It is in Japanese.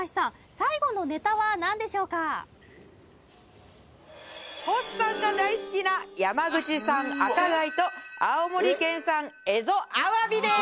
最後のネタはなんでしょうか星さんが大好きな山口産赤貝と青森県産エゾアワビです